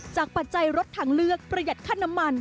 ปัจจัยรถทางเลือกประหยัดค่าน้ำมัน